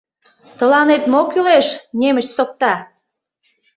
— Тыланет мо кӱлеш, немыч сокта?!